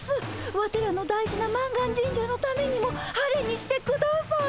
ワテらの大事な満願神社のためにも晴れにしてください。